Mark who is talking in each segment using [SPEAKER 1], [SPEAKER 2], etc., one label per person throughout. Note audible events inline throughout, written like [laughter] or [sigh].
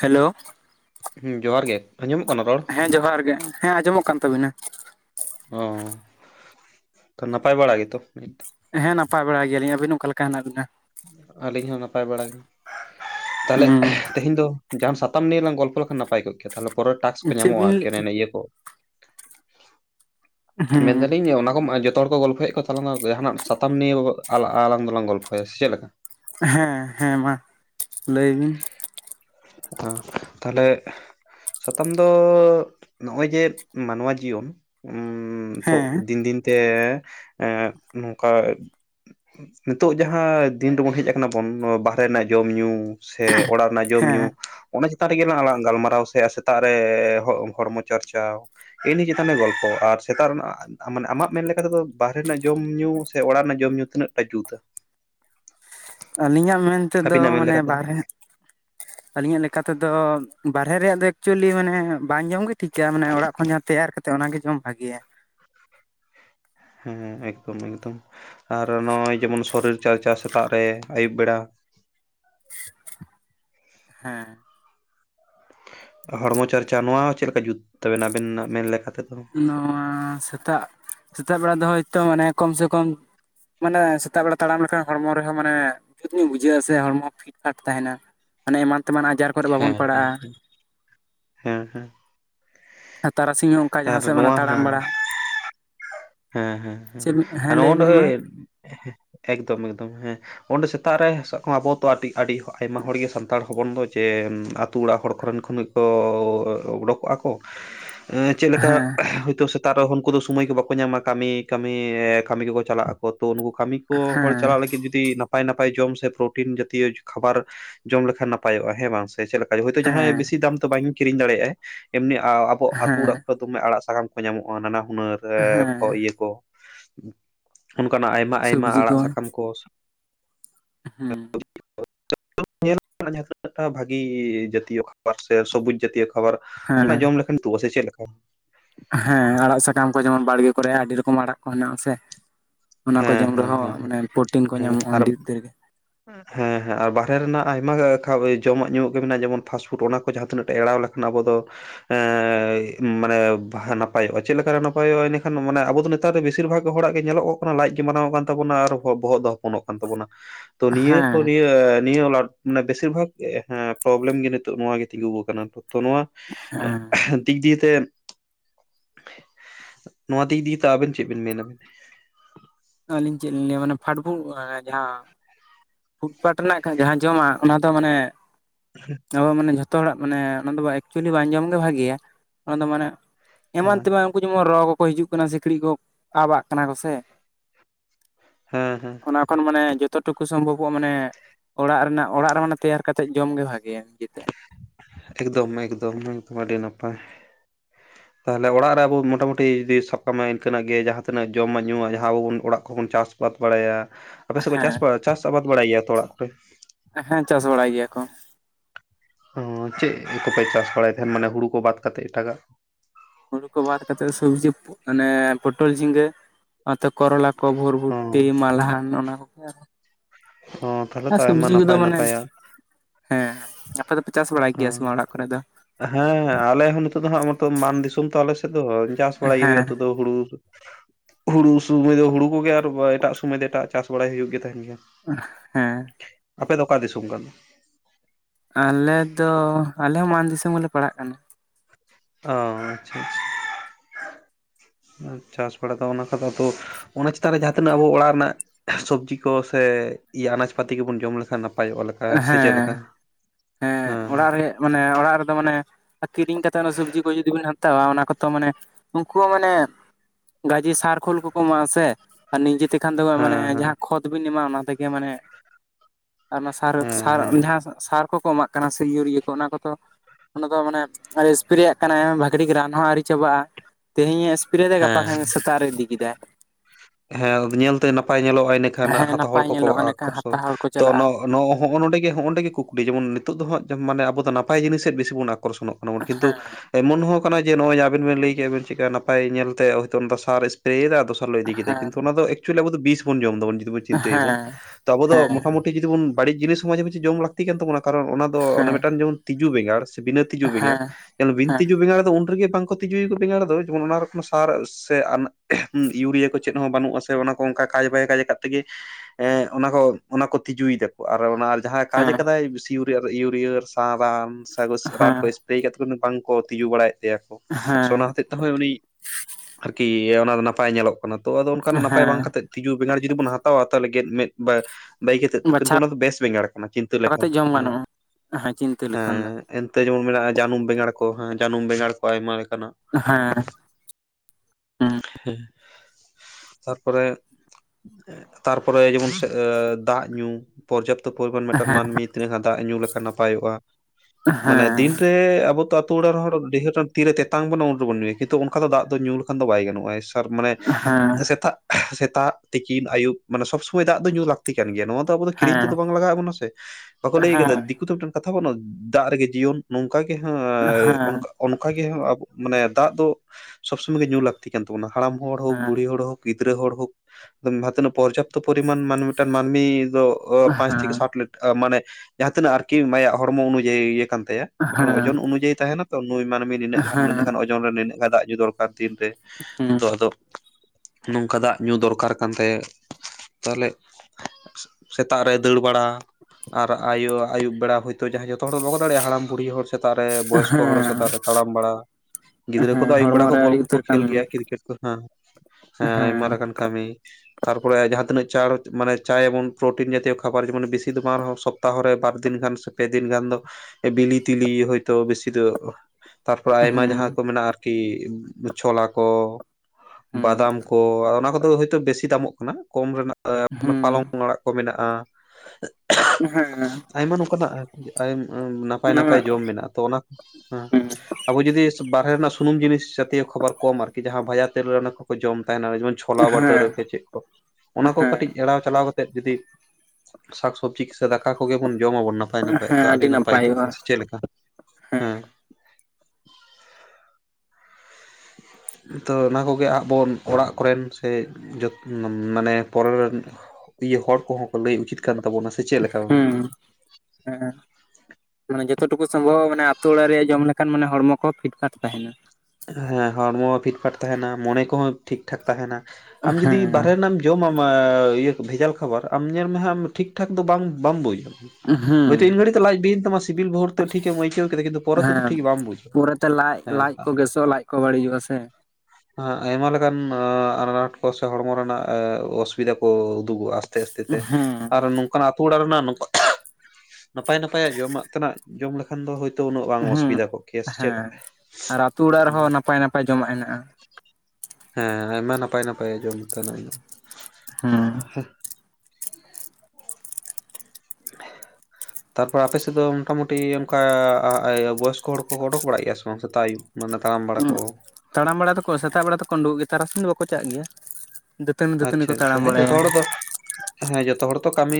[SPEAKER 1] Hello
[SPEAKER 2] ᱦᱩᱸ ᱡᱚᱦᱟᱨ ᱜᱮ ᱟᱸᱡᱚᱢᱚᱜ ᱠᱟᱱᱟ ᱨᱚᱲ?
[SPEAKER 1] ᱦᱮᱸ ᱡᱚᱦᱟᱨ ᱜᱮ ᱦᱮᱸ ᱟᱸᱡᱚᱢᱚᱜ ᱠᱟᱱ ᱛᱟᱹᱵᱤᱱᱟ
[SPEAKER 2] ᱚ ᱛᱚ ᱱᱟᱯᱟᱭ ᱵᱟᱲᱟ ᱜᱮᱛᱚ ᱱᱤᱛ ᱫᱚ?
[SPEAKER 1] ᱦᱮᱸ ᱱᱟᱯᱟᱭ ᱵᱟᱲᱟ ᱜᱮᱭᱟᱞᱤᱧ ᱟᱹᱵᱤᱱ ᱚᱠᱟ ᱞᱮᱠᱟ ᱦᱮᱱᱟᱜ ᱵᱤᱱᱟ?
[SPEAKER 2] ᱟᱹᱞᱤᱧ ᱦᱚᱸ ᱱᱟᱯᱟᱭ ᱵᱟᱲᱟ ᱜᱮ, ᱛᱟᱦᱞᱮ
[SPEAKER 1] ᱦᱩᱸ
[SPEAKER 2] ᱛᱮᱦᱮᱧ ᱫᱚ ᱡᱟᱦᱟᱸᱱ ᱥᱟᱛᱟᱢ ᱱᱤᱭᱮ ᱞᱟᱝ ᱜᱚᱞᱯᱚ ᱞᱮᱠᱷᱟᱱ ᱱᱟᱯᱟᱭ ᱠᱚᱜ ᱠᱮᱭᱟ ᱛᱟᱦᱚᱞᱮ ᱯᱚᱨᱮᱨ ᱴᱟᱠᱥ ᱠᱚ
[SPEAKER 1] ᱪᱮᱫ
[SPEAKER 2] ᱧᱟᱢᱚᱜᱼᱟ
[SPEAKER 1] ᱵᱤᱱ
[SPEAKER 2] ᱠᱮ [unintelligible] ᱤᱭᱟᱹ ᱠᱚ
[SPEAKER 1] ᱦᱩᱸ
[SPEAKER 2] ᱢᱮᱱ ᱫᱟᱞᱤᱧ ᱚᱱᱟ ᱠᱚ ᱡᱚᱛᱚ ᱦᱚᱲ ᱠᱚ ᱜᱚᱞᱯᱷᱚᱭᱮᱫ ᱠᱚ ᱛᱟᱞᱟᱝ ᱡᱟᱦᱟᱸᱱᱟᱜ ᱥᱟᱛᱟᱢ ᱱᱤᱭᱮ ᱟ ᱟᱞᱟᱝ ᱫᱚᱞᱟᱝ ᱜᱚᱞᱯᱚ ᱦᱳᱭ ᱥᱮ ᱪᱮᱫ ᱞᱮᱠᱟ?
[SPEAKER 1] ᱦᱮᱸ ᱦᱮᱸ ᱢᱟ ᱞᱟᱹᱭ ᱵᱤᱱ
[SPEAKER 2] ᱚ ᱛᱟᱦᱞᱮ ᱥᱟᱛᱟᱢ ᱫᱚ ᱱᱚᱜᱼᱚᱭ ᱡᱮ ᱢᱟᱱᱣᱟ ᱡᱤᱭᱚᱱ ᱩ ᱛᱷᱳ
[SPEAKER 1] ᱦᱮᱸ
[SPEAKER 2] ᱫᱤᱱ ᱫᱤᱱᱛᱮ ᱮᱸ ᱱᱚᱝᱠᱟ ᱱᱤᱛᱚᱜ ᱡᱟᱦᱟᱸ ᱫᱤᱱ ᱨᱮᱵᱚᱱ ᱦᱮᱡ ᱠᱟᱱᱟ ᱵᱚᱱ ᱵᱟᱦᱨᱮ ᱨᱮᱱᱟᱜ ᱡᱚᱢ ᱧᱩ ᱥᱮ ᱚᱲᱟᱜ ᱨᱮᱱᱟᱜ ᱡᱚᱢ ᱧᱩ
[SPEAKER 1] ᱦᱮᱸ
[SPEAKER 2] ᱚᱱᱟ ᱪᱮᱛᱟᱱ ᱨᱮᱜᱮ [unintelligible] ᱟᱞᱟᱝ ᱜᱟᱞᱢᱟᱨᱟᱣ ᱥᱮ ᱥᱮᱛᱟᱜ ᱨᱮ ᱦᱚᱲᱢᱚ ᱪᱟᱨᱪᱟᱣ ᱤᱱᱤ ᱪᱮᱛᱟᱱᱨᱮ ᱜᱚᱞᱯᱚ ᱟᱨ ᱥᱮᱛᱟᱜ ᱨᱮᱱᱟᱜ ᱢᱟᱱᱮ ᱟᱢᱟᱜ ᱢᱮᱱ ᱞᱮᱠᱟᱛᱮᱫᱚ ᱵᱟᱦᱨᱮ ᱨᱮᱱᱟᱜ ᱡᱚᱢ ᱧᱩ ᱥᱮ ᱚᱲᱟᱜ ᱨᱮᱱᱟᱜ ᱡᱚᱢ ᱧᱩ ᱛᱤᱱᱟᱹᱜ ᱴᱟ ᱡᱩᱛᱟ?
[SPEAKER 1] ᱟᱹᱞᱤᱧᱟᱜ ᱢᱮᱱ ᱛᱮᱫᱚ
[SPEAKER 2] ᱟᱹᱵᱤᱱᱟᱜ ᱢᱮᱱ
[SPEAKER 1] ᱢᱟᱱᱮ
[SPEAKER 2] ᱞᱮᱠᱟ ᱛᱮᱫᱚ
[SPEAKER 1] ᱵᱟᱨᱦᱮ ᱟᱹᱞᱤᱧᱟᱜ ᱞᱮᱠᱟ ᱛᱮᱫᱚ ᱵᱟᱨᱦᱮ ᱨᱮᱭᱟᱜ ᱫᱚ ᱮᱠᱪᱩᱭᱮᱞᱤ ᱢᱟᱱᱮ ᱵᱟᱝ ᱡᱚᱢ ᱜᱮ ᱴᱷᱤᱠᱟ ᱢᱟᱱᱮ ᱚᱲᱟᱜ ᱠᱷᱚᱱ ᱡᱟᱦᱟᱸ ᱛᱮᱭᱟᱨ ᱠᱟᱛᱮ ᱚᱱᱟᱜᱮ ᱡᱚᱢ ᱵᱷᱟᱜᱮᱭᱟ
[SPEAKER 2] ᱦᱮᱸ ᱮᱠᱫᱚᱢ ᱮᱠᱫᱚᱢ ᱟᱨ ᱱᱚᱜᱼᱚᱭ ᱡᱮᱢᱚᱱ ᱥᱚᱨᱤᱨ ᱪᱟᱨᱪᱟ ᱥᱮᱛᱟᱜ ᱨᱮ ᱟᱹᱭᱩᱵ ᱵᱮᱲᱟ
[SPEAKER 1] ᱦᱮᱸ
[SPEAKER 2] ᱦᱚᱲᱢᱚ ᱪᱟᱨᱪᱟ ᱱᱚᱣᱟ ᱪᱮᱫ ᱞᱮᱠᱟ ᱡᱩᱛ ᱛᱟᱵᱮᱱᱟ ᱟᱵᱮᱱᱟᱜ ᱢᱮᱱ ᱞᱮᱠᱟ ᱛᱮᱫᱚ?
[SPEAKER 1] ᱱᱚᱣᱟ ᱥᱮᱛᱟᱜ, ᱥᱮᱛᱟᱜ ᱵᱮᱲᱟ ᱫᱚ ᱦᱚᱭᱛᱳ ᱢᱟᱱᱮ ᱠᱚᱢ ᱥᱮ ᱠᱚᱢ ᱢᱟᱱᱮ ᱥᱮᱛᱟᱜ ᱵᱮᱲᱟ ᱛᱟᱲᱟᱢ ᱞᱮᱠᱷᱟᱱ ᱦᱚᱲᱢᱚ ᱨᱮᱦᱚᱸ ᱢᱟᱱᱮ ᱡᱩᱛ ᱧᱚᱜ ᱵᱩᱡᱷᱟᱹᱜᱼᱟ ᱥᱮ ᱦᱚᱲᱢᱚ ᱯᱷᱤᱴ ᱯᱷᱟᱴ ᱛᱟᱦᱮᱱᱟ ᱢᱟᱱᱮ ᱮᱢᱟᱱ ᱛᱮᱢᱟᱱ ᱟᱡᱟᱨ ᱠᱚᱨᱮ ᱵᱟᱵᱚᱱ
[SPEAKER 2] ᱦᱮᱸ ᱦᱮᱸ
[SPEAKER 1] ᱯᱟᱲᱟᱜᱼᱟ
[SPEAKER 2] ᱦᱮᱸ ᱦᱮᱸ ᱦᱮᱸ
[SPEAKER 1] ᱟᱨ ᱛᱟᱨᱟᱥᱤᱧ ᱦᱚᱸ ᱚᱱᱠᱟ
[SPEAKER 2] ᱟᱨ
[SPEAKER 1] ᱡᱟᱦᱟᱸᱥᱮᱫ ᱢᱟᱱᱮ
[SPEAKER 2] ᱱᱚᱣᱟ
[SPEAKER 1] ᱛᱟᱲᱟᱢ ᱵᱟᱲᱟ
[SPEAKER 2] ᱦᱮᱸ ᱦᱮᱸ
[SPEAKER 1] ᱪᱮᱫ
[SPEAKER 2] ᱦᱮᱸ
[SPEAKER 1] ᱞᱟᱹᱭ
[SPEAKER 2] ᱱᱚᱜ
[SPEAKER 1] ᱵᱤᱱ ᱢᱟ
[SPEAKER 2] [unintelligible] ᱮᱠᱫᱚᱢ ᱮᱠᱫᱚᱢ ᱦᱮᱸ ᱚᱸᱰᱮ ᱥᱮᱛᱟᱜ ᱨᱮ ᱥᱟᱰᱮ ᱠᱟᱜ ᱢᱮ ᱟᱵᱚ ᱛᱚ ᱟᱰᱤ ᱟᱰᱤ ᱟᱭᱢᱟ ᱦᱚᱲᱜᱮ ᱥᱟᱱᱛᱟᱲ ᱦᱚᱯᱚᱱ ᱫᱚ ᱡᱮ ᱟᱛᱩ ᱚᱲᱟᱜ ᱦᱚᱲ ᱠᱚᱨᱮᱱ ᱠᱷᱚᱱ [unintelligible] ᱩᱰᱳᱠᱚᱜᱼᱟ ᱠᱚ ᱮᱸ ᱪᱮᱫ ᱞᱮᱠᱟ
[SPEAKER 1] ᱦᱮᱸ
[SPEAKER 2] ᱦᱳᱭᱛᱚ ᱥᱮᱛᱟᱜ ᱨᱮ ᱦᱩᱱᱠᱩᱫᱚ ᱥᱚᱢᱚᱭ ᱠᱚ ᱵᱟᱠᱚ ᱧᱟᱢᱟ ᱠᱟᱹᱢᱤ ᱠᱟᱹᱢᱤ ᱠᱟᱹᱢᱤ ᱠᱚᱠᱚ ᱪᱟᱞᱟᱜᱼᱟ ᱛᱚ ᱩᱱᱠᱩ ᱠᱟᱹᱢᱤ ᱠᱚ ᱦᱚᱲ
[SPEAKER 1] ᱦᱮᱸ
[SPEAKER 2] ᱪᱟᱞᱟᱜ ᱞᱟᱹᱜᱤᱫ [unintelligible] ᱱᱟᱯᱟᱭ ᱱᱟᱯᱟᱭ ᱡᱚᱢ ᱥᱮ ᱯᱨᱚᱴᱤᱱ ᱡᱟᱛᱤᱭᱚ ᱠᱷᱟᱵᱟᱨ ᱡᱚᱢ ᱞᱮᱠᱷᱟᱱ ᱱᱟᱯᱟᱭᱚᱜᱼᱟ ᱦᱮᱸ ᱵᱟᱝ ᱥᱮ ᱪᱮᱫ? ᱞᱮᱠᱟ ᱦᱚᱭᱛᱳ ᱡᱟᱦᱟᱸᱭ
[SPEAKER 1] ᱦᱮᱸ
[SPEAKER 2] ᱵᱤᱥᱤ ᱫᱟᱢ ᱛᱮ ᱵᱟᱧ ᱠᱤᱨᱤᱧ ᱫᱟᱲᱮᱭᱟᱜᱟᱭ ᱮᱢᱱᱤᱟ ᱟᱵᱚ ᱟᱹᱛᱩ
[SPEAKER 1] ᱦᱮᱸ
[SPEAKER 2] ᱚᱲᱟᱜ ᱠᱚᱨᱮ ᱫᱚᱢᱮ ᱟᱲᱟᱜ ᱥᱟᱠᱟᱢ ᱠᱚ ᱧᱟᱢᱚᱜᱼᱟ ᱱᱟᱱᱟ ᱦᱩᱱᱟᱹᱨ
[SPEAKER 1] ᱦᱮᱸᱻ
[SPEAKER 2] [unintelligible] ᱠᱚ, ᱚᱱᱠᱟᱱᱟᱜ ᱟᱭᱢᱟ ᱟᱭᱢᱟ
[SPEAKER 1] ᱥᱚᱵᱽᱡᱤ
[SPEAKER 2] ᱟᱲᱟᱜ ᱥᱟᱠᱟᱢ ᱠᱚ
[SPEAKER 1] ᱦᱩᱸ
[SPEAKER 2] [inaudible] ᱡᱟᱦᱟᱸ ᱛᱤᱱᱟᱹᱜ ᱵᱷᱟᱜᱤ ᱡᱟᱹᱛᱤᱭᱚ ᱠᱷᱟᱨ ᱥᱮ ᱥᱚᱵᱩᱡᱽ ᱡᱟᱹᱛᱤᱭᱚ [inaudible] ᱠᱷᱟᱵᱟᱨ
[SPEAKER 1] ᱦᱮᱸ
[SPEAKER 2] ᱚᱱᱟ ᱡᱚᱢ ᱞᱮᱠᱷᱟᱱ ᱛᱩᱼᱟ ᱥᱮ ᱪᱮᱫ ᱞᱮᱠᱟ?
[SPEAKER 1] ᱦᱮᱸ ᱟᱲᱟᱜ ᱥᱟᱠᱟᱢ ᱠᱚ ᱡᱮᱢᱚᱱ ᱵᱟᱲᱜᱮ ᱠᱚᱨᱮ ᱟᱹᱰᱤ ᱨᱚᱠᱚᱢ ᱟᱲᱟᱜ ᱠᱚ ᱦᱮᱱᱟᱜᱼᱟ ᱥᱮ ᱚᱱᱟ ᱠᱚ
[SPEAKER 2] ᱦᱮᱸ
[SPEAKER 1] ᱡᱚᱢ
[SPEAKER 2] ᱦᱮᱸ
[SPEAKER 1] ᱨᱮᱦᱚᱸ
[SPEAKER 2] ᱦᱮᱸ
[SPEAKER 1] ᱢᱟᱱᱮ ᱯᱨᱚᱴᱤᱱ ᱠᱚ
[SPEAKER 2] ᱦᱮᱸ
[SPEAKER 1] ᱧᱟᱢᱚᱜᱼᱟ
[SPEAKER 2] ᱟᱨ
[SPEAKER 1] ᱟᱹᱰᱤ ᱩᱛᱟᱹᱨ ᱜᱮ
[SPEAKER 2] [unintelligible] ᱦᱮᱸ ᱦᱮᱸ ᱟᱨ ᱵᱟᱨᱦᱨᱮ ᱨᱮᱱᱟᱜ ᱟᱭᱢᱟ ᱠᱷᱟᱣ ᱡᱚᱢᱟᱜ ᱧᱩᱣᱟᱜ ᱜᱮ ᱢᱮᱱᱟᱜᱼᱟ ᱡᱮᱢᱚᱱ ᱯᱷᱟᱥᱴ ᱯᱷᱩᱰ ᱚᱱᱟ ᱠᱚ ᱡᱟᱦᱟᱸ ᱛᱤᱱᱟᱹᱜ ᱴᱟ ᱮᱲᱟᱣ ᱞᱮᱠᱷᱟᱱ ᱟᱵᱚ ᱫᱚ ᱮᱸ ᱢᱟᱱᱮ ᱱᱟᱯᱟᱭᱚᱜᱼᱟ ᱪᱮᱫ ᱞᱮᱠᱟ ᱨᱮ ᱱᱟᱯᱟᱭᱚᱜᱼᱟ ᱤᱱᱟᱹ ᱠᱷᱟᱱ ᱢᱟᱱᱮ ᱟᱵᱚ ᱫᱚ [unintelligible] ᱛᱟᱨ ᱨᱮ ᱵᱮᱥᱤᱨ ᱵᱷᱟᱜᱽ ᱦᱚᱲᱟᱜ ᱜᱮ ᱧᱮᱞᱚᱜᱼᱚᱜ ᱞᱟᱡ ᱜᱮ ᱢᱟᱨᱟᱝᱚᱜ ᱠᱟᱱ ᱛᱟᱵᱩᱱᱟ ᱟᱨ ᱵᱚᱦᱚᱜ ᱫᱚ ᱦᱚᱯᱚᱱᱚᱜ ᱠᱟᱱ ᱛᱟᱵᱚᱩᱱᱟ, ᱛᱚ ᱱᱤᱭᱟᱹ ᱠᱚ
[SPEAKER 1] ᱦᱮᱸ
[SPEAKER 2] ᱱᱤᱭᱟᱹ ᱱᱤᱭᱟᱹ ᱞᱟ ᱢᱟᱱᱮ ᱵᱮᱥᱤᱨ ᱵᱷᱟᱜᱽ ᱮᱸᱻᱦᱮᱸ ᱯᱨᱚᱵᱞᱮᱢ ᱜᱮ ᱱᱤᱛᱚᱜ ᱱᱚᱣᱟ ᱜᱮ ᱛᱤᱸᱜᱩ ᱟᱠᱟᱱᱟ ᱛᱚ ᱱᱚᱣᱟ
[SPEAKER 1] ᱦᱮᱸ
[SPEAKER 2] ᱫᱤᱠ ᱫᱤᱭᱮ ᱛᱮᱫ ᱱᱚᱣᱟ ᱫᱤᱠ ᱫᱤᱭᱤᱛᱮ ᱟᱵᱮᱱ ᱪᱮᱫ ᱵᱮᱱ ᱢᱮᱱ ᱱᱟᱵᱮᱱ?
[SPEAKER 1] ᱟᱹᱞᱤᱧ ᱪᱮᱫ ᱞᱤᱧ ᱞᱟᱹᱭᱟ ᱢᱟᱱᱮ ᱯᱷᱟᱴᱵᱷᱩᱝ ᱟᱸ ᱡᱟᱦᱟᱸ ᱯᱷᱩᱴᱯᱟᱴ ᱨᱮᱱᱟᱜ ᱡᱟᱦᱟᱸ ᱡᱚᱢᱟᱜ ᱚᱱᱟ ᱫᱚ ᱢᱟᱱᱮ ᱟᱵᱩ ᱢᱟᱱᱮ ᱡᱚᱛ ᱛᱚ ᱦᱚᱲᱟᱜ ᱢᱟᱱᱮ ᱚᱱᱟ ᱫᱚ ᱮᱠᱪᱩᱭᱮᱞᱤ ᱵᱟᱝ ᱡᱚᱢ ᱜᱤ ᱵᱷᱟᱜᱮᱭᱟ ᱚᱱᱟ ᱫᱚ ᱢᱟᱱᱮ ᱮᱢᱟᱱ
[SPEAKER 2] ᱦᱮᱸ
[SPEAKER 1] ᱛᱮᱢᱟᱱ ᱩᱱᱠᱩ ᱡᱮᱢᱚᱱ ᱨᱚᱸ ᱠᱚᱠᱚ ᱥᱮ ᱦᱤᱡᱩᱜ ᱠᱟᱱᱟ ᱥᱤᱠᱲᱤᱡ ᱠᱩ ᱟᱵᱼᱟᱜ ᱠᱟᱱᱟ ᱠᱚ ᱥᱮ
[SPEAKER 2] ᱦᱮᱸᱻᱦᱮᱸ
[SPEAKER 1] ᱚᱱᱟᱠᱷᱚᱱ ᱢᱟᱱᱮ ᱡᱚᱛᱳ ᱴᱩᱠᱩ ᱥᱚᱢᱵᱷᱚᱵ ᱠᱩ ᱢᱟᱱᱮ ᱚᱲᱟᱜ ᱨᱮᱱᱟᱜ ᱚᱲᱟᱜ ᱨᱮ ᱢᱟᱱᱮ ᱛᱮᱭᱟᱨ ᱠᱟᱛᱮᱫ ᱡᱚᱢ ᱜᱮ ᱵᱷᱟᱜᱮᱭᱟ ᱱᱤᱡᱮᱛᱮ
[SPEAKER 2] ᱮᱠᱫᱚᱢ-ᱮᱠᱫᱚᱢ ᱦᱚᱭ, ᱟᱹᱰᱤ ᱱᱟᱯᱟᱭ ᱛᱟᱦᱚᱞᱮ ᱚᱲᱟᱜ ᱨᱮ ᱟᱵᱩ ᱢᱚᱴᱟ-ᱢᱩᱴᱤ ᱡᱩᱫᱤ ᱥᱟᱵ ᱠᱟᱜ ᱢᱮ ᱡᱟᱦᱟᱸ ᱛᱤᱱᱟᱹᱜ ᱡᱚᱢᱟᱜ-ᱧᱩᱣᱟᱜ ᱡᱟᱦᱟᱸ ᱟᱵᱚ ᱵᱚᱱ ᱚᱲᱟᱜ ᱠᱷᱚᱱ ᱵᱚᱱ ᱪᱟᱥ ᱵᱟᱫ ᱵᱟᱲᱟᱭᱟ, ᱟᱯᱮ ᱥᱮᱫ ᱠᱚ ᱪᱟᱥ
[SPEAKER 1] ᱦᱮᱸ
[SPEAKER 2] ᱵᱟ ᱪᱟᱥ ᱟᱵᱟᱫ ᱵᱟᱲᱟᱭ ᱜᱮᱭᱟ ᱛᱚ ᱚᱲᱟᱜ ᱠᱚᱨᱮ
[SPEAKER 1] ᱦᱮᱸ ᱪᱟᱥ ᱵᱟᱲᱟᱭ ᱜᱮᱭᱟ ᱠᱚ
[SPEAKER 2] ᱚᱸᱻ ᱪᱮᱫ ᱠᱚᱯᱮ ᱪᱟᱥ ᱵᱟᱲᱟᱭ ᱛᱟᱦᱮᱱ ᱢᱟᱱᱮ ᱦᱳᱲᱳ ᱠᱚ ᱵᱟᱫ ᱠᱟᱛᱮᱫ ᱮᱴᱟᱜᱼᱟᱜ
[SPEAKER 1] ᱦᱳᱲᱳ ᱠᱚ ᱵᱟᱫ ᱠᱟᱛᱮᱫ ᱥᱩᱵᱡᱤ ᱟᱱᱮ ᱯᱚᱴᱚᱞ, ᱡᱷᱤᱸᱜᱟᱹ ᱚᱱᱛᱮ ᱠᱚᱨᱚᱞᱟ ᱠᱚ
[SPEAKER 2] ᱚ
[SPEAKER 1] ᱵᱷᱚᱨ-ᱵᱷᱚᱴᱤ ᱢᱟᱞᱦᱟᱱ ᱚᱱᱟ ᱠᱚ ᱜᱮ ᱟᱨᱦᱚᱸ
[SPEAKER 2] ᱳᱸ
[SPEAKER 1] ᱟᱨ ᱥᱩᱵᱡᱤ ᱠᱩᱫᱚ ᱢᱟᱱᱮ ᱦᱮᱸ ᱟᱯᱮ ᱫᱚᱯᱮ ᱪᱟᱥ ᱵᱟᱲᱟᱭ ᱜᱮᱭᱟ ᱥᱮ
[SPEAKER 2] ᱦᱮᱸ
[SPEAKER 1] ᱵᱟᱝ ᱚᱲᱟᱜ ᱠᱚᱨᱮ ᱫᱚ?
[SPEAKER 2] ᱦᱮᱸ ᱟᱞᱮ ᱱᱤᱛᱚᱜ ᱫᱚ ᱦᱟᱜ ᱢᱚᱛᱚ ᱢᱟᱱ ᱫᱤᱥᱚᱢ ᱛᱚ ᱟᱞᱮ ᱥᱮᱫ ᱫᱚ ᱪᱟᱥ ᱵᱟᱲᱟᱭ ᱜᱮ ᱦᱩᱭᱩᱜᱼᱟ
[SPEAKER 1] ᱦᱮᱸ
[SPEAKER 2] ᱱᱤᱛᱚᱜ ᱫᱚ ᱦᱳᱲᱳ ᱦᱳᱲᱳ ᱥᱚᱢᱚᱭ ᱫᱚ ᱦᱳᱲᱳ ᱠᱚᱜᱮ ᱟᱨ ᱮᱴᱟᱜ ᱥᱚᱢᱚᱭ ᱫᱚ ᱮᱴᱟᱜ ᱪᱟᱥ ᱵᱟᱲᱟᱭ ᱦᱩᱭᱩᱜ ᱜᱮ ᱛᱟᱦᱮᱱ ᱜᱮᱭᱟ᱾
[SPEAKER 1] ᱦᱮᱸ
[SPEAKER 2] ᱟᱯᱮ ᱫᱚ ᱚᱠᱟ ᱫᱤᱥᱚᱢ ᱠᱟᱱ?
[SPEAKER 1] ᱟᱞᱮᱻ ᱫᱚ ᱟᱞᱮ ᱦᱚᱸ ᱢᱟᱱ ᱫᱤᱥᱚᱢ ᱜᱮ ᱞᱮ ᱯᱟᱲᱟᱜ ᱠᱟᱱᱟ᱾
[SPEAKER 2] ᱚ ᱟᱪᱷᱟ-ᱟᱪᱷᱟ ᱪᱟᱥ ᱵᱟᱲᱟ ᱫᱚ ᱚᱱᱟ ᱠᱷᱟ ᱛᱚ ᱚᱱᱟ ᱪᱮᱛᱟᱱ ᱨᱮ ᱡᱟᱦᱟᱸ ᱛᱤᱱᱟᱹᱜ ᱟᱵᱩ ᱚᱲᱟᱜ ᱨᱮᱱᱟᱜ ᱥᱚᱵᱽᱡᱤ ᱠᱚ ᱥᱮ ᱤ ᱟᱱᱟᱡᱯᱟᱛᱤ ᱠᱚᱵᱚᱱ ᱡᱚᱢ ᱞᱮᱠᱷᱟᱱ ᱱᱟᱯᱟᱭᱚᱜ ᱚᱞ
[SPEAKER 1] ᱦᱮᱸᱻᱦᱮᱸ
[SPEAKER 2] ᱦᱮᱸ
[SPEAKER 1] ᱚᱲᱟᱜ ᱨᱮ ᱢᱟᱱᱮ ᱚᱲᱟᱜ ᱨᱮᱫᱚ ᱢᱟᱱᱮ ᱠᱤᱨᱤᱧ ᱠᱟᱛᱮ ᱚᱱᱟ ᱥᱚᱵᱽᱡᱤ ᱠᱩ ᱡᱩᱫᱤ ᱵᱤᱱ ᱦᱟᱛᱟᱣᱟ ᱚᱱᱟ ᱠᱚᱛᱚ ᱢᱟᱱᱮ ᱩᱱᱠᱩ ᱦᱚᱸ ᱢᱟᱱᱮ ᱜᱟᱡᱤ ᱥᱟᱨ ᱠᱷᱳᱞ ᱠᱚᱠᱚ ᱮᱢᱟᱜᱼᱟ ᱥᱮ ᱱᱤᱡᱮ ᱛᱮᱠᱷᱟᱱ ᱫᱚ ᱢᱟᱱᱮ
[SPEAKER 2] ᱦᱮᱸ ᱦᱮᱸ
[SPEAKER 1] ᱡᱟᱦᱟᱸ ᱠᱷᱚᱛ ᱵᱤᱱ ᱮᱢᱟ ᱚᱱᱟ ᱛᱮ ᱜᱮ ᱢᱟᱱᱮ ᱚᱱᱟ ᱥ ᱟᱨ
[SPEAKER 2] ᱦᱮᱸ
[SPEAKER 1] ᱥᱟᱨ
[SPEAKER 2] ᱦᱮᱸ
[SPEAKER 1] ᱡᱟᱦᱟᱸ ᱥᱟᱨ ᱠᱚᱠᱚ ᱮᱢᱟᱜ ᱠᱟᱱᱟ ᱥᱮ ᱤᱭᱩᱨᱤᱭᱟᱹ ᱠᱚ ᱚᱱᱟ ᱠᱚ ᱫᱚ ᱚᱱᱟ ᱫᱚ ᱢᱟᱱᱮ ᱥᱯᱨᱮᱭᱟᱜ ᱠᱟᱱᱟ ᱵᱷᱟᱹᱜᱤ ᱴᱷᱤᱠ ᱨᱟᱱ ᱦᱚᱸ ᱟᱹᱣᱨᱤ ᱪᱟᱵᱟᱜᱼᱟ᱾ ᱛᱮᱦᱮᱧᱼᱮ ᱮᱯᱨᱮᱫᱟᱭ ᱜᱟᱯᱟ
[SPEAKER 2] ᱦᱮᱸ
[SPEAKER 1] ᱠᱷᱟᱱ ᱥᱮᱛᱟᱜ ᱨᱮᱭ ᱤᱫᱤ ᱠᱮᱫᱟᱭ᱾
[SPEAKER 2] ᱦᱮᱸ ᱧᱮᱞᱛᱮ ᱱᱟᱯᱟᱭ ᱧᱮᱞᱚᱜᱼᱟᱭ ᱤᱸᱱᱟᱹᱠᱷᱟᱱ
[SPEAKER 1] ᱦᱮᱸ
[SPEAKER 2] ᱦᱟᱛᱟᱣ ᱦᱚᱲ
[SPEAKER 1] ᱱᱟᱯᱟᱭ
[SPEAKER 2] ᱠᱚᱠᱚ
[SPEAKER 1] ᱧᱮᱞᱚᱜᱼᱟ ᱮᱸᱰᱮᱠᱷᱟᱱ ᱦᱟᱛᱟᱣ
[SPEAKER 2] ᱟᱠᱚᱨᱚᱱᱚᱜ
[SPEAKER 1] ᱦᱚᱲ ᱠᱚ
[SPEAKER 2] ᱛᱚᱼ
[SPEAKER 1] ᱪᱟᱞᱟᱜᱼᱟ
[SPEAKER 2] ᱱᱳᱜᱼᱱᱳᱜᱼᱳ ᱦᱚᱜᱼᱚ ᱱᱚᱰᱮ ᱜᱮ ᱦᱚᱜ-ᱚᱱᱚᱰᱮ ᱜᱮ ᱦᱚᱸᱜ ᱚ ᱱᱚᱰᱮ ᱜᱮ ᱠᱩᱠᱞᱤ ᱡᱮᱢᱚᱱ ᱱᱤᱛᱚᱜ ᱫᱚ ᱦᱟᱜ ᱢᱟᱱᱮ ᱟᱵᱚ ᱱᱟᱯᱟᱭ ᱡᱤᱱᱤᱥ ᱥᱮᱫ ᱵᱤᱥᱤ ᱵᱚᱱ ᱟᱠᱚᱨᱥᱚᱱᱚᱜᱼ ᱢᱚᱱ ᱠᱤᱱᱛᱩ ᱮᱢᱚᱱ ᱦᱚᱸ ᱠᱟᱱᱟ ᱡᱮ ᱱᱚᱦᱚᱭ ᱟᱵᱮᱱ ᱵᱮᱱ ᱞᱟᱹᱭ ᱠᱮᱫ ᱵᱮᱱ ᱪᱮᱫᱠᱟ ᱱᱟᱯᱟᱭ ᱧᱮᱞᱛᱮ ᱦᱳᱭᱛᱚ ᱥᱟᱨ ᱥᱯᱨᱮᱭᱮᱫᱟ ᱟᱫᱚ ᱤᱫᱤ ᱠᱮᱫᱟ ᱠᱤᱱᱛᱩ ᱚᱱᱟ ᱮᱠᱪᱚᱞᱤ ᱟᱵᱚᱱ ᱵᱤᱥ ᱵᱚᱱ ᱡᱚᱢᱫᱟᱵᱚᱱᱚᱱ ᱪᱛᱟᱹᱭᱟᱵᱚᱱ
[SPEAKER 1] ᱦᱮᱸ
[SPEAKER 2] ᱟᱵᱚ ᱫᱚ
[SPEAKER 1] ᱦᱮᱸ
[SPEAKER 2] ᱢᱚᱴᱟ ᱢᱩᱴᱤ ‌ᱡᱩᱫᱤ ᱵᱚᱱ ᱵᱟᱲᱤᱡ ᱡᱤᱱᱤᱥ ᱢᱟᱡᱮ ᱢᱟᱡᱮ ᱪᱮ ᱡᱚᱢ ᱞᱟᱠᱛᱤ ᱠᱟᱱ ᱛᱟᱵᱚᱱᱟ ᱠᱟᱨᱚᱱ ᱚᱱᱟ ᱫᱚ ᱚᱱᱮ
[SPEAKER 1] ᱦᱮᱸ
[SPEAKER 2] ᱢᱤᱫᱴᱟᱱ ᱡᱮᱢᱚᱱ ᱛᱤᱡᱩ ᱵᱮᱸᱜᱟᱲ ᱥᱮ᱾ ᱵᱤᱱᱟᱹ ᱛᱤᱡᱩ ᱵᱮᱸᱜᱟᱲ
[SPEAKER 1] ᱦᱮᱸ
[SPEAKER 2] ᱧᱮᱞ ᱵᱤᱱ ᱛᱤᱡᱩ ᱵᱮᱜᱟᱲ ᱨᱮᱫᱚ ᱩᱱ ᱨᱮᱜᱮ ᱵᱟᱝ ᱠᱚᱼᱼ ᱛᱤᱡᱩ ᱭᱟᱠᱚ ᱵᱮᱸᱜᱟᱲ ᱫᱚ ᱡᱮᱢᱚᱱ ᱚᱱᱟ ᱨᱚ ᱠᱚᱱᱚ ᱥᱟᱨ ᱥᱮ ᱟᱱᱟ ᱩᱸ ᱭᱩᱨᱤᱭᱟᱹ ᱠᱚᱼᱼ ᱪᱮᱫ ᱦᱚᱸ ᱵᱟᱱᱩᱜ-ᱟ ᱥᱮ ᱚᱱᱟ ᱠᱚ ᱚᱱᱠᱟ ᱠᱟᱡᱽ ᱵᱟᱭ ᱠᱟᱡᱽ ᱟᱠᱟᱜ ᱛᱮᱜᱮᱼ ᱮᱜ ᱚᱱᱟ ᱠᱚ-ᱚᱱᱟ ᱠᱚ ᱛᱤᱡᱩᱭ ᱫᱟᱠᱚ ᱟᱨᱚ ᱚᱱᱟᱼᱼ ᱡᱟᱦᱟᱸ ᱠᱟᱡᱽ
[SPEAKER 1] ᱦᱮᱸ
[SPEAKER 2] ᱟᱠᱟ ᱫᱟᱭ ᱵᱤᱥᱤ ᱭᱩᱨᱤᱭᱟᱹ ᱭᱩᱨᱤᱭᱟᱹ ᱥᱟ ᱨᱟᱱ ᱥᱟᱜᱚᱥ ᱨᱟᱱ
[SPEAKER 1] ᱦᱮᱸ
[SPEAKER 2] ᱠᱚ ‌ᱮᱥᱼᱼ ᱞᱟᱹᱭ ᱠᱟᱛᱮ ᱠᱚ ᱵᱟᱝ ᱠᱚ ᱛᱤᱡᱩ ᱵᱟᱲᱟᱭᱮᱜ ᱛᱟᱭᱟ ᱠᱚ
[SPEAKER 1] ᱦᱮᱸ
[SPEAKER 2] ᱥᱚ ᱚᱱᱟ
[SPEAKER 1] ᱦᱮᱸ
[SPEAKER 2] ᱦᱚᱛᱮᱡᱼᱼ ᱛᱮ ᱦᱚᱸᱭ ᱩᱱᱤ ᱟᱨᱠᱤ ᱚᱱᱟ ᱫᱚ ᱱᱟᱯᱟᱭ ᱧᱮᱞᱚᱜ ᱠᱟᱱᱟ ᱛᱚ ᱟᱫᱚ ᱚᱱᱠᱟ ᱱᱟᱜ ᱱᱟᱯᱟᱭ
[SPEAKER 1] ᱦᱮᱸ
[SPEAKER 2] ᱵᱟᱝ ᱠᱟᱛᱮᱜᱼᱼ ᱛᱤᱡᱩ ᱵᱮᱸᱜᱟᱲ ᱡᱩᱫᱤ ᱵᱚᱱ ᱦᱟᱛᱟᱣᱟ ᱛᱟᱦᱚᱞᱮ‌ ᱜᱮᱫ ᱢᱮᱸᱫ ᱵᱟᱭ ᱵᱟᱜᱤ ᱠᱟᱛᱮᱫ ᱛᱮ ᱠᱤᱱᱛᱩ
[SPEAKER 1] ᱵᱟᱪᱷᱟᱣ
[SPEAKER 2] ᱚᱱᱟ ᱫᱚ ᱵᱮᱥ ᱵᱮᱸᱜᱟᱲ ᱠᱟᱱᱟ ᱪᱤᱱᱛᱟᱹ ᱞᱮᱠᱟᱱ,
[SPEAKER 1] ᱠᱟᱛᱮᱜ ᱡᱚᱢ
[SPEAKER 2] ᱦᱮᱸ
[SPEAKER 1] ᱜᱟᱱᱚᱜᱼᱟ ᱦᱮᱸ ᱪᱤᱱᱛᱟᱹ ᱞᱮᱠᱷᱟᱱ ᱫᱚ
[SPEAKER 2] ᱦᱮᱸᱻ᱾ ᱮᱱᱛᱮᱜ ᱡᱮᱢᱚᱱ ᱢᱮᱱᱟᱜ-ᱟ ᱡᱟᱱᱩᱢ ᱵᱮᱸᱜᱟᱲ ᱠᱚ ᱦᱮᱸ ᱡᱟᱱᱩᱢ ᱵᱮᱸᱜᱟᱲ ᱠᱚ ᱟᱭᱢᱟ ᱞᱮᱠᱟ ᱱᱟᱜ᱾
[SPEAKER 1] ᱦᱮᱸ᱾ ᱦᱩᱸ
[SPEAKER 2] ᱦᱮ᱾ ᱛᱟᱨᱯᱚᱨᱮ ᱮᱜ ᱛᱟᱨᱯᱚᱨᱮ ᱡᱮᱢᱚᱱ ᱥᱮᱜ ᱮ ᱫᱟᱜ ᱧᱩ᱾ ᱯᱚᱨᱡᱟᱯ ᱛᱚ ᱯᱚᱨᱤᱢᱟᱱ ᱢᱮᱫᱴᱟᱱ ᱢᱟᱱᱢᱤ ᱛᱤᱱᱟᱹᱜ ᱜᱟᱱ ᱫᱟᱜ ᱮ ᱧᱩ ᱞᱮᱠᱷᱟᱱ ᱱᱟᱯᱟᱭᱚᱜ-ᱟ᱾ ᱢᱟᱱᱮ
[SPEAKER 1] ᱦᱮᱸ
[SPEAKER 2] ᱫᱤᱱ ᱨᱮ ᱟᱵᱚ ᱛᱚᱼᱼ ᱟᱛᱳ ᱚᱲᱟᱜ ᱨᱮᱱ ᱦᱚᱲ ᱰᱷᱮᱨ ᱛᱤᱨᱮ ᱛᱮᱛᱟᱝ ᱵᱚᱱᱟ ᱩᱱ ᱨᱮᱵᱚᱱ ᱧᱩᱭᱟ ᱠᱤᱱᱛᱩ ᱚᱱᱠᱟ ᱫᱚ ᱫᱟᱜ ᱫᱚ ᱧᱩ ᱞᱮᱠᱷᱟᱱ ᱫᱚ ᱵᱟᱭ ᱜᱟᱱᱚᱜ-ᱟ ᱥᱟᱨ ᱢᱟᱱᱮᱼᱼ
[SPEAKER 1] ᱦᱮᱸ
[SPEAKER 2] ᱥᱮᱛᱟᱜ ᱥᱮᱛᱟᱜ ᱛᱤᱠᱤᱱ ᱟᱭᱩᱵ ᱢᱟᱱᱮ ᱥᱚᱵᱽ ᱥᱚᱢᱚᱭ ᱫᱟᱜ ᱫᱚ ᱧᱩ ᱞᱟᱠᱼᱼ ᱛᱤ ᱠᱟᱱ ᱜᱮᱭᱟ ᱱᱚᱣᱟ ᱫᱚ ᱟᱵᱚ ᱫᱚ ᱠᱤᱨᱤᱧ ᱛᱮᱫᱚ
[SPEAKER 1] ᱦᱮᱸ
[SPEAKER 2] ᱵᱟᱝ ᱞᱟᱜᱟᱣᱟᱜ ᱵᱚᱱᱟ ᱥᱮ ᱵᱟᱠᱚ
[SPEAKER 1] ᱦᱮᱸ
[SPEAKER 2] ᱞᱟᱹᱭ ᱠᱟᱫᱟ ᱫᱤᱠᱩ ᱫᱚ ᱢᱤᱫᱴᱟᱱᱼᱼ ᱠᱟᱛᱷᱟ ᱵᱟᱹᱱᱩᱜ-ᱟ ᱫᱟᱜ ᱨᱮᱜᱮ ᱡᱤᱭᱚᱱ ᱱᱚᱝᱠᱟ ᱜᱮ ᱦᱟᱸᱜ
[SPEAKER 1] ᱦᱮᱸ
[SPEAKER 2] ᱚᱱᱠᱟᱼᱼ ᱚᱱᱠᱟ ᱜᱮ ᱦᱚᱸ ᱟᱵᱚ ᱢᱟᱱᱮ ᱫᱟᱜ ᱫᱚ ᱥᱚᱵᱽ ᱥᱚᱢᱚᱭ ᱜᱮ ᱧᱩ ᱞᱟᱠᱛᱤ ᱠᱟᱱ ᱛᱟᱵᱚᱱᱟ ᱦᱟᱲᱟᱢ ᱦᱚᱲ ᱦᱚᱸ ᱵᱩᱲᱦᱤᱼᱼ ᱦᱚᱲ ᱦᱚᱸ ᱜᱤᱫᱽᱨᱟᱹ ᱦᱚᱲ ᱦᱳᱠ ᱡᱟᱦᱟᱸ ᱛᱤᱱᱟᱹᱜ ᱯᱚᱨᱡᱟᱯ ᱛᱚ ᱯᱚᱨᱤᱢᱟᱱ ᱢᱟᱱᱮ ᱢᱤᱫᱴᱟᱱ ᱢᱟᱱᱢᱤ ᱫᱚᱼᱼ ᱚᱻ ᱯᱟᱸᱪ ᱛᱷᱮᱠᱮ ᱥᱟᱛ ᱞᱤᱴ ᱟ ᱢᱟᱱᱮ ᱡᱟᱦᱟᱸ ᱛᱤᱱᱟᱹᱜ ᱟᱨᱠᱤ ᱢᱟᱭᱟᱜ ᱦᱚᱲᱢᱚ ᱚᱱᱩ ᱡᱟᱹᱭᱟᱤ ᱤᱭᱟᱹ ᱠᱟᱱ ᱛᱟᱭᱟ᱾
[SPEAKER 1] ᱦᱮᱸ
[SPEAKER 2] ᱢᱤᱫᱴᱟᱝ ᱚᱡᱚᱱ
[SPEAKER 1] ᱦᱮᱸ ᱦᱮᱸ
[SPEAKER 2] ᱚᱱᱩ ᱡᱟᱹᱭᱤ ᱛᱟᱦᱮᱱᱟ ᱛᱚ ᱱᱩᱭ ᱢᱟᱱᱢᱤ ᱱᱤᱱᱟᱹᱜ ᱜᱟᱱ ᱱᱤᱱᱟᱹᱜ
[SPEAKER 1] ᱦᱮᱸ
[SPEAKER 2] ᱜᱟᱱ ᱚᱡᱚᱱ ᱨᱮ ᱱᱤᱱᱟᱹᱜ ᱜᱟᱱ ᱫᱟᱜ ᱧᱩ ᱫᱚᱨᱠᱟᱨ ᱫᱤᱱ ᱨᱮ᱾
[SPEAKER 1] ᱦᱩᱸ᱾
[SPEAKER 2] ᱫᱚ ᱟᱫᱚ ᱱᱚᱝᱠᱟ ᱫᱟᱜ ᱧᱩ ᱫᱚᱨᱠᱟᱨ ᱠᱟᱱ ᱛᱟᱭᱟ ᱛᱟᱦᱞᱮᱜᱼᱼ ᱥᱮᱛᱟᱜ ᱨᱮ ᱫᱟᱹᱲ ᱵᱟᱲᱟᱼᱼ ᱟᱨ ᱟᱭᱳ ᱟᱭᱩᱵ ᱵᱮᱲᱟ ᱦᱚᱭᱛᱚ ᱡᱟᱦᱟᱸᱭ ᱡᱚᱛᱚ ᱦᱚᱲ ᱫᱚ ᱵᱟᱠᱚ ᱫᱟᱲᱮᱭᱟᱜ-ᱟ ᱦᱟᱲᱟᱢ ᱵᱩᱲᱦᱤ ᱦᱚᱲ ᱥᱮᱼᱼ ᱥᱮᱛᱟᱜ ᱨᱮ ᱵᱚᱭᱮᱥ ᱠᱚ ᱦᱚᱲ
[SPEAKER 1] ᱦᱮᱸ
[SPEAKER 2] ᱥᱮᱛᱟᱜ ᱨᱮ ᱛᱟᱲᱟᱢ ᱵᱟᱲᱟ ᱜᱤᱫᱽᱨᱟᱹ
[SPEAKER 1] ᱦᱮᱸ
[SPEAKER 2] ᱠᱚᱫᱚ ᱟᱹᱭᱩᱵ
[SPEAKER 1] ᱦᱚᱲᱢᱚ
[SPEAKER 2] ᱵᱮᱲᱟ ᱠᱚ
[SPEAKER 1] ᱨᱮ
[SPEAKER 2] ᱵᱚᱞ
[SPEAKER 1] ᱟᱹᱰᱤ
[SPEAKER 2] ᱠᱚᱠᱚ
[SPEAKER 1] ᱩᱛᱟᱹᱨ
[SPEAKER 2] ᱠᱷᱮᱞ
[SPEAKER 1] ᱠᱟᱹᱢᱤ
[SPEAKER 2] ᱜᱮᱭᱟ ᱠᱨᱤᱠᱮᱴᱼᱼ ᱫᱚ ᱦᱟᱸᱜ ᱦᱮᱸ ᱟᱭᱢᱟ ᱞᱮᱠᱟᱱ ᱠᱟᱢᱤ᱾ ᱛᱟᱨᱯᱚᱨᱮ ᱡᱟᱦᱟᱸ ᱛᱤᱱᱟᱹᱜ ᱪᱟᱲ ᱢᱟᱱᱮ ᱪᱟᱭ ᱵᱚᱱ ᱯᱨᱳᱴᱤᱱ ᱡᱟᱛᱤᱭ ᱠᱷᱟᱵᱟᱨ ᱡᱮᱢᱚᱱ ᱵᱤᱥᱤ ᱫᱚ ᱵᱟᱝ ᱨᱮᱦᱚᱸ ᱥᱚᱵᱼᱼᱼ ᱥᱚᱯᱛᱟᱦᱚ ᱨᱮ ᱵᱟᱨ ᱫᱤᱱ ᱜᱟᱱ ᱥᱮ ᱯᱮ ᱫᱤᱱ ᱜᱟᱱ ᱫᱚ ᱮ ᱵᱤᱞᱤ ᱛᱤᱞᱤ ᱦᱚᱭᱛᱳ ᱵᱮᱥᱤ ᱫᱚᱼ ᱛᱟᱨᱯᱚᱨ ᱟᱭᱢᱟ ᱡᱟᱦᱟᱸ ᱠᱚ
[SPEAKER 1] ᱦᱩᱸ
[SPEAKER 2] ᱢᱮᱱᱟᱜ-ᱟ ᱟᱨᱠᱤ ᱪᱷᱚᱞᱟ ᱠᱚ᱾
[SPEAKER 1] ᱦᱩᱸ
[SPEAKER 2] ᱵᱟᱫᱟᱢ ᱠᱚ ᱟ ᱚᱱᱟ ᱠᱚᱫᱚ ᱦᱳᱭᱛᱚ ᱵᱮᱥᱤ ᱫᱟᱢᱚᱜ ᱠᱟᱱᱟ ᱠᱚᱢ ᱨᱮᱱᱟᱜᱼᱼ ᱮ ᱯᱟᱞᱚᱝ
[SPEAKER 1] ᱦᱩᱸ
[SPEAKER 2] ᱟᱲᱟᱜ ᱠᱚ ᱢᱮᱱᱟᱜ-ᱟ᱾
[SPEAKER 1] ᱦᱮᱸ ᱦᱮᱸ᱾
[SPEAKER 2] ᱟᱭᱢᱟ ᱱᱚᱝᱠᱟ ᱱᱟᱜ ᱮ ᱱᱟᱯᱟᱭ
[SPEAKER 1] ᱚᱱᱟ ᱢᱟ
[SPEAKER 2] ᱱᱟᱯᱟᱭ ᱡᱚᱢ ᱢᱮᱱᱟᱜ-ᱟ ᱛᱚ ᱚᱱᱟᱼᱼ ᱦᱮᱸ
[SPEAKER 1] ᱦᱩᱸ
[SPEAKER 2] ᱟᱵᱚ ᱡᱩᱫᱤ ᱵᱟᱦᱨᱮ ᱨᱮᱱᱟᱜ ᱥᱩᱱᱩᱢ ᱡᱤᱱᱤᱥ ᱡᱟᱛᱤᱭ ᱠᱷᱚᱵᱟᱨ ᱠᱚᱢ ᱟᱨᱠᱤ ᱡᱟᱦᱟᱸᱼᱼ ᱵᱷᱟᱡᱟ ᱛᱮᱨᱮᱞ ᱨᱮ ᱚᱱᱟ ᱠᱚᱠᱚ ᱡᱚᱢ ᱛᱟᱦᱮᱱᱟ ᱡᱮᱢᱚᱱ ᱪᱷᱚᱞᱟ ᱵᱟᱹᱴᱚᱨᱟ
[SPEAKER 1] ᱦᱮᱸ
[SPEAKER 2] ᱠᱚ ᱪᱮᱜ ᱠᱚ ᱚᱱᱟ ᱠᱚ
[SPEAKER 1] ᱦᱮᱸ
[SPEAKER 2] ᱠᱟᱴᱤᱡ ᱮᱲᱟᱣ ᱪᱟᱞᱟᱣ ᱠᱟᱛᱼᱼ ᱛᱮᱜ ᱡᱩᱫᱤ ᱥᱟᱠ ᱥᱚᱵᱽᱡᱤ ᱥᱮ ᱫᱟᱠᱟ ᱠᱚᱜᱮ ᱵᱚᱱ ᱡᱚᱢᱟ ᱵᱚᱱ ᱱᱟᱯᱟᱭ ᱱᱟᱯᱟᱭᱟᱜ
[SPEAKER 1] ᱦᱮᱸ
[SPEAKER 2] ᱛᱚ ᱟᱹᱰᱤ ᱱᱟᱯᱟᱭ ᱠᱚᱜ
[SPEAKER 1] ᱱᱟᱯᱟᱭᱚᱜᱼᱟ
[SPEAKER 2] ᱜᱮᱭᱟ᱾ ᱪᱮᱜ ᱞᱮᱠᱟ ᱦᱮᱸ᱾ ᱛᱚ ᱚᱱᱟ ᱠᱚᱜᱮ ᱟᱸᱜ ᱵᱚᱱ ᱚᱲᱟᱜ ᱠᱚᱨᱮᱱ ᱥᱮ ᱡᱚᱛ ᱱᱚ ᱢᱟᱱᱮ ᱯᱚᱨᱮ ᱨᱮᱱ ᱤᱭᱟᱹ ᱦᱚᱲ ᱠᱚᱦᱚᱸ ᱠᱚ ᱞᱟᱹᱭ ᱩᱪᱤᱛ ᱠᱟᱱ ᱛᱟᱵᱚᱱᱟ ᱥᱮ᱾ ᱪᱮᱫ ᱞᱮᱠᱟ ᱢᱟᱱᱮ
[SPEAKER 1] ᱦᱩᱸ ᱢᱟᱱᱮ ᱡᱚᱛᱚ ᱴᱩᱠᱩ ᱥᱚᱢᱵᱷᱚᱣ ᱢᱟᱱᱮ ᱟᱛᱳ ᱚᱲᱟᱜ ᱨᱮᱭᱟᱜ ᱡᱚᱢ ᱞᱮᱠᱷᱟᱱ ᱢᱟᱱᱮ ᱦᱚᱲᱢᱚ ᱠᱚ ᱦᱚᱸ ᱯᱷᱤᱴ ᱯᱷᱟᱴ ᱛᱟᱦᱮᱱᱟ᱾
[SPEAKER 2] ᱦᱮᱸ ᱦᱚᱲᱢᱚ ᱯᱷᱤᱴ ᱯᱷᱟᱴ ᱛᱟᱦᱮᱱᱟ ᱢᱚᱱᱮ ᱠᱚᱦᱚᱸ ᱴᱷᱤᱠ ᱴᱷᱟᱠ ᱛᱟᱦᱮᱱᱟ ᱟᱢ ᱡᱩᱫᱤ
[SPEAKER 1] ᱦᱮᱸ
[SPEAKER 2] ᱵᱟᱦᱨᱮ ᱨᱮᱱᱟᱜᱼᱼ ᱡᱚᱢᱟᱢ ᱟᱻ ᱤᱭᱟᱹ ᱵᱷᱮᱡᱟᱞ ᱠᱷᱟᱵᱟᱨ ᱟᱢ ᱧᱮᱞ ᱢᱮ ᱦᱟᱸᱜ ᱟᱢ‌ ᱴᱷᱤᱠ ᱴᱷᱟᱠ ᱫᱚ ᱵᱟᱢ ᱵᱟᱢ ᱵᱩᱡᱟ᱾
[SPEAKER 1] ᱦᱩᱸ
[SPEAKER 2] ᱦᱳᱭᱛᱚ ᱤᱱ ᱜᱷᱟᱹᱲᱤ ᱛᱚ ᱞᱟᱡ ᱵᱤᱭᱮᱱ ᱛᱟᱢᱟ ᱥᱤᱵᱤᱞ ᱵᱷᱳᱨ ᱛᱮ ᱴᱷᱤᱠᱮᱢ ᱟᱹᱭᱠᱟᱹᱣ ᱠᱮᱫᱟ ᱠᱤᱱᱛᱩ ᱯᱚᱨᱮ ᱛᱮᱫᱚ ᱴᱷᱤᱠ ᱵᱟᱢ ᱵᱩᱡᱟ᱾
[SPEAKER 1] ᱛᱮ ᱞᱟᱡ ᱞᱟᱡ ᱠᱚ ᱜᱮᱥᱚᱜ-ᱟ ᱞᱟᱡ ᱠᱚ ᱵᱟᱹᱲᱤᱡᱚᱜ-ᱟ ᱥᱮ᱾
[SPEAKER 2] [inaudible] ᱟᱸ ᱟᱭᱢᱟ ᱞᱮᱠᱟᱱ ᱟᱱᱟᱴ ᱠᱚ ᱥᱮ ᱦᱚᱲᱢᱚ ᱨᱮᱱᱟᱜ ᱚᱥᱩᱵᱤᱫᱟ ᱠᱚ ᱩᱫᱩᱜᱚᱜᱼᱟ ᱟᱥᱛᱮ ᱟᱥᱛᱮ ᱛᱮ
[SPEAKER 1] ᱦᱮᱸ
[SPEAKER 2] ᱟᱨ ᱱᱚᱝᱠᱟᱱᱟᱜ ᱟᱛᱩ ᱚᱲᱟᱜ ᱨᱮᱱᱟᱜ ᱱᱟᱯᱟᱭ ᱱᱟᱯᱟᱭᱟᱜ ᱡᱚᱢᱟᱜ ᱛᱮᱱᱟᱜ ᱡᱚᱢ ᱞᱮᱠᱷᱟᱱ ᱫᱚ ᱦᱚᱭᱛᱚ ᱩᱱᱟᱹᱜ ᱵᱟᱝ ᱚᱥᱩᱵᱤᱫᱷᱟ ᱠᱚᱜ ᱠᱮᱭᱟ ᱥᱮ ᱪᱮᱫ?
[SPEAKER 1] ᱟ. ᱛᱩ ᱚᱲᱟᱜ
[SPEAKER 2] ᱦᱮᱸ
[SPEAKER 1] ᱨᱮᱦᱚᱸ ᱱᱟᱯᱟᱭ ᱱᱟᱯᱟᱭ ᱡᱚᱢᱟᱜ ᱦᱮᱱᱟᱜᱼᱟ᱾
[SPEAKER 2] ᱦᱮᱸ ᱟᱭᱢᱟ ᱱᱟᱯᱟᱭ ᱱᱟᱯᱟᱭ ᱡᱚᱢᱛᱮᱱᱟᱜᱼᱼ
[SPEAKER 1] ᱦᱮᱸᱻ
[SPEAKER 2] [unintelligible] ᱛᱟᱨᱯᱚᱨᱮ ᱟᱯᱮᱥᱮᱫ ᱫᱚ ᱢᱚᱴᱟᱢᱩᱴᱤ ᱚᱱᱠᱟ ᱵᱚᱭᱚᱥᱠᱚ ᱦᱚᱲ ᱠᱚ ᱚᱰᱚᱠ ᱵᱟᱲᱟᱜ ᱜᱮᱭᱟ ᱥᱮ ᱵᱟᱝ ᱥᱮᱛᱟᱜ ᱟᱹᱭᱩᱵ? ᱢᱟᱱᱮ ᱛᱟᱲᱟᱢ ᱵᱟᱲᱟ ᱠᱚ?
[SPEAKER 1] ᱛᱟᱲᱟᱢ ᱵᱟᱲᱟ ᱫᱚᱠᱚ ᱥᱮᱛᱟᱜ ᱵᱮᱲᱟ ᱫᱚᱠᱚ ᱩᱰᱩᱠ ᱜᱮᱭᱟ ᱛᱟᱨᱟᱥᱤᱧ ᱫᱚ ᱵᱟᱠᱚ ᱪᱟᱜ ᱜᱮᱭᱟ ᱫᱟᱹᱛᱟᱹᱱᱤ ᱫᱟᱹᱛᱟᱹᱱᱤ
[SPEAKER 2] ᱟᱪᱪᱷᱟ
[SPEAKER 1] ᱠᱚ
[SPEAKER 2] ᱟᱪᱪᱷᱟ
[SPEAKER 1] ᱛᱟᱲᱟᱢ
[SPEAKER 2] ᱦᱮᱸ ᱡᱚᱛᱚ
[SPEAKER 1] ᱵᱟᱲᱟᱭᱟ᱾
[SPEAKER 2] ᱦᱚᱲ ᱫᱚ ᱦᱮᱸ ᱡᱚᱛᱚ ᱦᱚᱲ ᱛᱚ ᱠᱟᱹᱢᱤ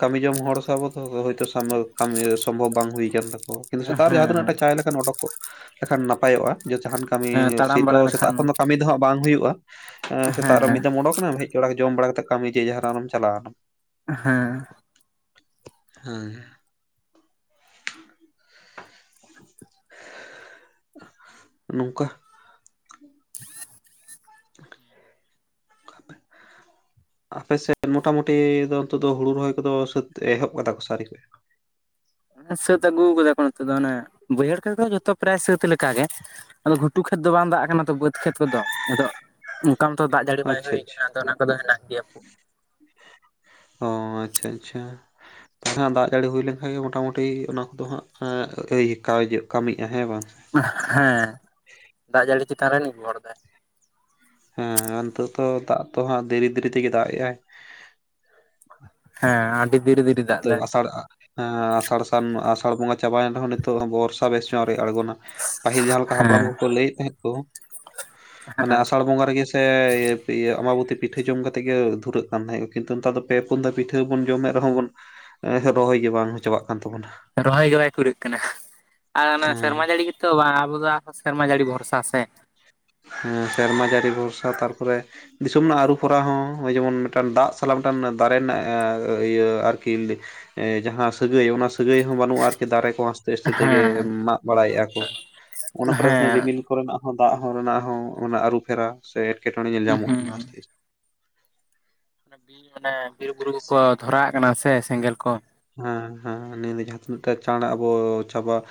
[SPEAKER 2] ᱠᱟᱹᱢᱤ ᱡᱚᱝ ᱦᱚᱲ ᱥᱮ ᱟᱵᱚᱼᱼ ᱦᱚᱭᱛᱳ ᱥᱟ ᱠᱟᱹᱢᱤ ᱥᱚᱢᱵᱷᱚᱵᱽ ᱵᱟᱝ ᱦᱩᱭ ᱟᱠᱟᱱ ᱛᱟᱠᱚᱣᱟ ᱠᱤᱱᱛᱩ ᱥᱮᱛᱟᱜ ᱨᱮ ᱡᱟᱦᱟᱸ ᱛᱤᱱᱟᱹᱜ
[SPEAKER 1] ᱦᱮᱸ
[SPEAKER 2] ᱴᱟ ᱪᱟᱭ ᱚᱰᱠᱚᱜ ᱞᱮᱠᱷᱟᱱ ᱱᱟᱯᱟᱭᱚᱜᱼᱟ ᱡᱮ ᱡᱟᱦᱟᱱ ᱠᱟᱹᱢᱤ
[SPEAKER 1] ᱦᱮᱸ
[SPEAKER 2] ᱥᱤᱛᱻ
[SPEAKER 1] ᱛᱟᱲᱟᱢ ᱵᱟᱲᱟ
[SPEAKER 2] ᱥᱮᱛᱟᱜ
[SPEAKER 1] ᱞᱮᱠᱷᱟᱱ
[SPEAKER 2] ᱠᱷᱚᱱ ᱠᱟᱹᱢᱤ ᱫᱚᱼᱼ ᱵᱟᱝ ᱦᱩᱭᱩᱜᱼᱟ ᱥᱮᱛᱟᱜ ᱨᱮ
[SPEAKER 1] ᱦᱮᱸ
[SPEAKER 2] ᱢᱤᱫ ᱫᱚᱢ ᱚᱰᱳᱠᱱᱟᱢ ᱦᱮᱡᱲᱟ ᱡᱚᱢ ᱵᱟᱲᱟ ᱠᱟᱛᱮ ᱠᱟᱹᱢᱤ ᱡ ᱡᱟᱦᱱᱟᱜᱢ ᱪᱟᱞᱟ ᱣᱱᱟᱢ
[SPEAKER 1] ᱦᱮᱸᱻ
[SPEAKER 2] ᱦᱮᱸᱻ ᱱᱚᱝᱠᱟ᱾
[SPEAKER 1] [unintelligible]
[SPEAKER 2] [unintelligible] ᱟᱯᱮ ᱥᱮᱫ ᱢᱚᱴᱟᱢᱩᱴᱤ ᱫᱚ ᱱᱚᱛᱮ ᱫᱚ ᱦᱩᱲᱩ ᱨᱚᱦᱚᱭ ᱠᱚᱫᱚ ᱥᱟᱹᱛ ᱮᱦᱚᱵ ᱟᱠᱟᱫᱟ ᱠᱚ ᱥᱮ ᱟᱹᱣᱨᱤ?
[SPEAKER 1] ᱥᱟᱹᱛ ᱟᱹᱜᱩᱣᱟᱠᱟᱠᱚ ᱱᱚᱛᱮᱫ ᱫᱚ ᱚᱱᱮ ᱵᱟᱹᱭᱦᱟᱹᱲ ᱠᱷᱮᱫ ᱫᱚ ᱡᱚᱛᱚ ᱯᱨᱟᱭ ᱥᱟᱹᱛ ᱞᱮᱠᱟᱜᱮ᱾ ᱟᱫᱚ ᱜᱷᱩᱴᱩ ᱠᱷᱮᱛ ᱫᱚ ᱵᱟᱝ ᱫᱟᱜ ᱠᱟᱱᱟᱼᱼ ᱵᱟᱹᱫᱽ ᱠᱷᱮᱛ ᱠᱚᱫᱚ ᱱᱤᱛᱚᱜ ᱢᱚᱴᱟᱢᱩᱴᱤ ᱫᱟᱜ ᱡᱟᱹᱲᱤ ᱵᱟᱭ
[SPEAKER 2] ᱟᱪᱪᱷᱟ
[SPEAKER 1] ᱦᱩᱭᱟᱠᱟᱱᱟ ᱟᱫᱚ ᱚᱱᱟ ᱠᱚᱫᱚ ᱦᱮᱱᱟᱜ ᱜᱮᱭᱟ᱾
[SPEAKER 2] ᱦᱚᱸ ᱟᱪᱪᱷᱟᱼᱟᱪᱪᱷᱟ ᱫᱟᱜ ᱡᱟᱹᱲᱤ ᱦᱩᱭ ᱞᱮᱱᱠᱟᱱ ᱜᱮ ᱢᱚᱴᱟᱢᱩᱴᱤ ᱚᱱᱟ ᱠᱚᱫᱚ ᱦᱟᱸᱜ ᱮᱭ ᱠᱟᱡᱽ ᱠᱟᱹᱢᱤᱜᱼᱟ ᱦᱮᱸ ᱵᱟᱝ,
[SPEAKER 1] ᱦᱮᱸ ᱫᱟᱜ ᱡᱟᱹᱲᱤ ᱪᱮᱛᱟᱱ ᱨᱮᱭ ᱱᱤᱨᱵᱷᱚᱨ ᱮᱫᱟᱭ᱾
[SPEAKER 2] ᱦᱮᱸ ᱱᱤᱛᱚᱜ ᱫᱚ ᱫᱟᱜ ᱫᱚ ᱦᱟᱸᱜ ᱫᱷᱤᱨᱤ ᱫᱷᱤᱨᱤ ᱛᱮᱜᱮ ᱫᱟᱜ ᱮᱜᱼᱟᱭ᱾
[SPEAKER 1] ᱦᱮᱸ ᱟᱹᱰᱤ ᱵᱤᱨᱮᱼᱵᱤᱨᱤ ᱫᱟᱜ
[SPEAKER 2] ᱛᱚ
[SPEAKER 1] ᱮᱫᱟᱭ᱾
[SPEAKER 2] ᱟᱥᱟᱲ ᱟᱥᱟᱲ ᱥᱟᱱ ᱟᱥᱟᱲ ᱵᱚᱸᱜᱟ ᱪᱟᱵᱟᱭᱮᱱ ᱨᱮᱦᱚᱸ ᱱᱤᱛᱚᱜ ᱵᱚᱨᱥᱟ ᱵᱮᱥ ᱧᱚᱜ ᱱᱤᱛᱦᱚᱸ ᱟ. ᱣᱨᱤ ᱟᱬᱜᱚᱱᱟ᱾ ᱯᱟᱹᱦᱤᱞ ᱡᱟᱦᱟᱸ ᱞᱮᱠᱟ ᱦᱟᱯᱲᱟᱢ
[SPEAKER 1] ᱦᱮᱸ
[SPEAKER 2] ᱠᱚᱠᱚ ᱞᱟᱹᱭᱮᱫ ᱛᱟᱦᱮᱸᱫ ᱠᱚ ᱢᱟᱱᱮᱼᱼ ᱵᱚᱸᱜᱟ ᱨᱮᱜᱮ ᱥᱮ ᱟᱢᱵᱟᱵᱚᱛᱤ ᱯᱤᱴᱷᱟᱹ ᱡᱚᱢ ᱠᱟᱛᱮᱜ ᱜᱮ ᱫᱷᱩᱨᱟᱹᱜ ᱠᱟᱱ ᱛᱟᱦᱮᱸᱜᱼᱟ ᱠᱤᱱᱛᱩ ᱱᱮᱛᱟᱨ ᱫᱚᱼᱼ ᱯᱮ ᱯᱩᱱ ᱫᱷᱟᱣ ᱯᱤᱴᱷᱟᱹ ᱵᱚᱱ ᱡᱚᱢᱮᱫ ᱨᱮᱦᱚᱸ ᱵᱚᱱ ᱨᱚᱦᱚᱭ ᱜᱮ ᱵᱟᱝ ᱪᱟᱵᱟᱜ ᱠᱟᱱ ᱛᱟᱵᱚᱱᱟ᱾
[SPEAKER 1] ᱨᱚᱦᱚᱭ ᱜᱮ ᱵᱟᱭ ᱯᱩᱨᱟᱹᱜ ᱠᱟᱱᱟ ᱟᱨ ᱚᱱᱟ
[SPEAKER 2] ᱦᱮᱸ
[SPEAKER 1] ᱥᱮᱨᱢᱟ ᱡᱟᱹᱲᱤᱼᱼ ᱛᱚ ᱟᱵᱚ ᱫᱚ ᱥᱮᱨᱢᱟ ᱡᱟ. ᱲᱤ ᱵᱷᱚᱨᱥᱟ ᱥᱮᱼᱼ
[SPEAKER 2] ᱥᱮᱨᱢᱟ ᱡᱟᱹᱲᱤ ᱵᱷᱚᱨᱥᱟ ᱛᱟᱨᱯᱚᱨᱮᱼᱼ ᱫᱤᱥᱚᱢ ᱨᱮᱱᱟᱜ ᱟᱹᱨᱩ ᱯᱷᱚᱨᱟ ᱦᱚᱸ ᱱᱚᱜᱼ ᱡᱮᱢᱚᱱ ᱢᱤᱫᱴᱟᱱ ᱫᱟᱜ ᱥᱟᱞᱟᱜ ᱢᱤᱫᱴᱟᱱ ᱫᱟᱨᱮ ᱨᱮᱱᱟᱜ ᱤᱭᱟᱹ ᱟᱨᱠᱤ ᱡᱟᱦᱟᱸ ᱥᱟᱹᱜᱟᱹᱭ ᱚᱱᱟ ᱥᱟᱹᱜᱟᱹᱭ ᱦᱚᱸ ᱵᱟᱹᱱᱩᱜᱼᱟ ᱟᱨᱠᱤ ᱫᱟᱨᱮ ᱠᱚᱣᱟ ᱟᱥᱛᱮᱼᱟᱥᱛᱮ ᱛᱮᱜᱮ
[SPEAKER 1] ᱦᱮᱸ
[SPEAKER 2] ᱢᱟᱜ ᱵᱟᱲᱟᱭᱮᱫᱼᱟ ᱠᱚ ᱚᱱᱟ ᱠᱚᱨᱮ ᱦᱚᱸ
[SPEAKER 1] ᱦᱮᱸ
[SPEAKER 2] ᱨᱤᱢᱤᱞ ᱠᱚᱨᱮᱱᱟᱜ ᱦᱚᱸ ᱫᱟᱜ ᱦᱚᱲ ᱚᱱᱟ ᱦᱚᱸ ᱚᱱᱟ ᱟᱹᱨᱩ ᱯᱷᱮᱨᱟ ᱥᱮ ᱮᱴᱠᱮᱴᱚᱬᱮ ᱧᱮᱞ ᱧᱟᱢᱚᱜ
[SPEAKER 1] ᱦᱩᱸ
[SPEAKER 2] ᱠᱟᱱᱟ ᱟᱥᱛᱮ ᱟᱥᱛᱮᱼᱼ
[SPEAKER 1] ᱵᱤ ᱚᱱᱮ ᱵᱤᱨ ᱵᱩᱨᱩ
[SPEAKER 2] ᱟᱥᱛᱮ
[SPEAKER 1] ᱠᱚᱠᱚ ᱫᱷᱚᱨᱟ ᱣᱟᱜ ᱠᱟᱱᱟ ᱥᱮ ᱥᱮᱸᱜᱮᱞ ᱠᱚ
[SPEAKER 2] ᱦᱮᱸ ᱦᱮᱸ ᱱᱤᱭᱟᱹ ᱫᱚ ᱡᱟᱦᱟᱸ ᱛᱤᱱᱟᱹᱜᱴ ᱪᱟᱬ ᱟᱵᱚ ᱪᱟᱵᱟᱜᱼᱼ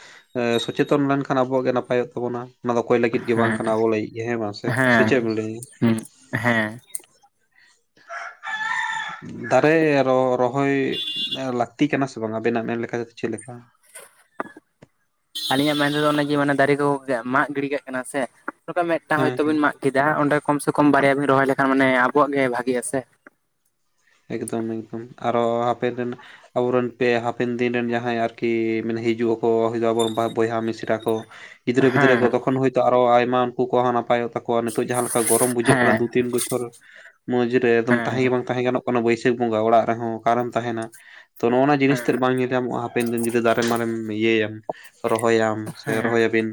[SPEAKER 2] ᱥᱚᱪᱮᱛᱚᱜ ᱮᱢ ᱢᱮᱱᱠᱷᱟᱱ ᱟᱵᱚᱣᱟᱜ ᱜᱮ ᱱᱟᱯᱟᱭᱚᱜ ᱛᱟᱵᱚᱱᱟ᱾ ᱚᱱᱟ ᱫᱚ ᱚᱠᱚᱭ ᱞᱟᱹᱜᱤᱫ ᱜᱮ ᱵᱟᱝ
[SPEAKER 1] ᱦᱮᱸ
[SPEAKER 2] ᱠᱟᱱᱟ ᱟᱵᱚ ᱞᱟᱹᱭ ᱦᱮᱸ ᱢᱟ ᱥᱮ ᱥᱮᱪᱮᱫ ᱮᱢ ᱞᱟᱹᱭᱟ?
[SPEAKER 1] ᱦᱮᱸᱻ
[SPEAKER 2] ᱫᱟᱨᱮ ᱟᱨᱦᱚᱸ ᱨᱚᱦᱚᱭᱼᱼ ᱞᱟᱹᱠᱛᱤ ᱠᱟᱱᱟ ᱥᱮ ᱵᱟᱝ ᱟᱵᱮᱱᱟᱜ ᱢᱮᱱ ᱞᱮᱠᱟ ᱛᱮᱫᱚ ᱪᱮᱫ ᱞᱮᱠᱟ
[SPEAKER 1] ᱟᱹᱞᱤᱧᱟᱜ ᱢᱮᱱᱛᱮᱫᱚ ᱚᱱᱮ ᱢᱟᱱᱮ ᱫᱟᱨᱮ ᱠᱚ ᱢᱟᱜ ᱜᱤᱰᱤ ᱠᱟᱜ ᱠᱟᱱᱟ ᱥᱮ ᱱᱚᱝᱠᱟ ᱢᱤᱫᱴᱟᱝ
[SPEAKER 2] ᱦᱮᱸ
[SPEAKER 1] ᱦᱚᱭᱛᱚ
[SPEAKER 2] ᱦᱮᱸ
[SPEAKER 1] ᱵᱤᱱ ᱢᱟᱜ, ᱠᱮᱫᱟ ᱚᱸᱰᱮ ᱠᱚᱢ ᱥᱮ ᱠᱚᱢ ᱵᱟᱨᱭᱟ ᱵᱤᱱ ᱨᱚᱦᱚᱭ ᱞᱮᱠᱷᱟᱱ ᱢᱟᱱᱮ ᱟᱵᱚᱣᱟᱜ ᱜᱮ ᱵᱷᱟᱜᱤᱜ-ᱟ ᱥᱮ
[SPEAKER 2] ᱮᱠᱫᱚᱢᱼᱮᱠᱫᱚᱢ ᱟᱨᱦᱟᱸ ᱟᱯᱮ ᱨᱮᱱ ᱟᱵᱚᱱ ᱯᱮ ᱦᱟᱯᱮᱱ ᱫᱤᱱ ᱨᱮᱱ ᱡᱟᱦᱟᱸᱭ ᱟᱨᱠᱤ ᱢᱟᱱᱮ ᱦᱤᱡᱩᱜ ᱟᱠᱚ ᱟᱵᱚᱨᱮᱱ ᱵᱚᱭᱦᱟ ᱢᱤᱥᱨᱟ ᱠᱚ ᱜᱤᱫᱽᱨᱟᱹ ᱯᱤᱫᱽᱨᱟᱹ
[SPEAKER 1] ᱦᱮᱸ
[SPEAKER 2] ᱠᱚ ᱛᱚᱠᱷᱚᱱ ᱦᱚᱭᱛᱚ ᱟᱨᱚ ᱟᱭᱢᱟ ᱩᱱᱠᱩ ᱠᱚ ᱦᱚᱸ ᱱᱟᱯᱚᱭ ᱛᱟᱠᱚᱣᱟ ᱱᱤᱛᱚᱜ ᱡᱟᱦᱟᱸ ᱞᱮᱠᱟ ᱜᱚᱨᱚᱢ ᱵᱩᱡᱷᱟᱹᱜ ᱠᱟᱱᱟ
[SPEAKER 1] ᱦᱮᱸ
[SPEAKER 2] ᱫᱩ ᱛᱤᱱ ᱵᱚᱪᱷᱚᱨ ᱢᱚᱸᱡᱽ ᱨᱮ ᱮᱠᱫᱚᱢ ᱛᱟᱦᱮᱸ
[SPEAKER 1] ᱦᱮᱸ
[SPEAKER 2] ᱜᱮ ᱵᱟᱝ ᱛᱟᱦᱮᱸ ᱜᱟᱱᱚᱜ-ᱟ ᱵᱟᱹᱭᱥᱟᱹᱠᱷ ᱵᱚᱸᱜᱟ ᱚᱲᱟᱜ ᱨᱮᱦᱮ ᱚᱠᱟᱨᱮᱢ ᱛᱟᱦᱮᱱᱟ ᱛᱚ ᱱᱚᱜᱱᱟ ᱡᱤᱱᱤᱥ ᱛᱮᱫ ᱵᱟᱝ ᱧᱮᱞ ᱧᱚᱜ ᱦᱟᱯᱮᱱ ᱫᱤᱱ ᱡᱩᱫᱤᱢ ᱫᱟᱨᱮ ᱢᱟᱨᱮᱢ ᱤᱭᱟᱹᱭᱟᱢ ᱨᱚᱦᱚᱭᱟᱢ ᱥᱮ
[SPEAKER 1] ᱦᱮᱸ
[SPEAKER 2] ᱨᱚᱦᱚᱭ ᱟᱵᱤᱱ